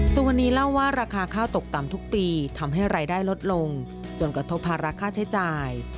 สุวรรณีเล่าว่าราคาข้าวตกต่ำทุกปีทำให้รายได้ลดลงจนกระทบภาระค่าใช้จ่าย